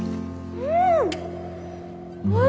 うん！